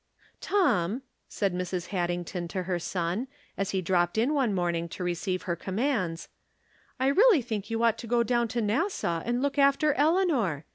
" Tom," said Mrs. Haddington to her son, as he dropped in one morning to receive her com mands, " I really think you ought to go down to Nassau and look after Eleanor.